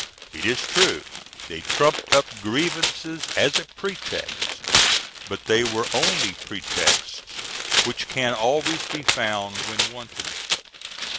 It is true they trumped up grievances as a pretext, but they were only pretexts which can always be found when wanted.